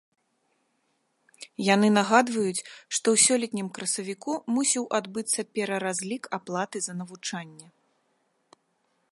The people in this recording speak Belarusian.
Яны нагадваюць, што ў сёлетнім красавіку мусіў адбыцца пераразлік аплаты за навучанне.